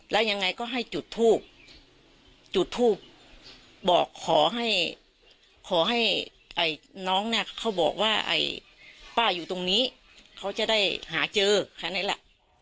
แล้วยังไงก็ให้จุดทูบจุดทูบบอกขอให้ขอให้น้องเนี่ยเขาบอกว่าป้าอยู่ตรงนี้เขาจะได้หาเจอแค่นั้นแหละ